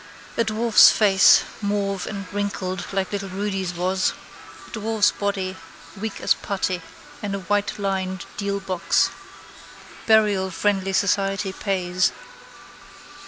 A dwarf's face, mauve and wrinkled like little Rudy's was. Dwarf's body, weak as putty, in a whitelined deal box. Burial friendly society pays.